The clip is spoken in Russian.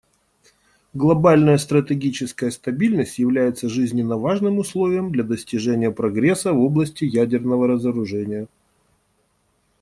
Глобальная стратегическая стабильность является жизненно важным условием для достижения прогресса в области ядерного разоружения.